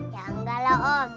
ya enggak lah om